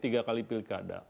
tiga kali pilih kada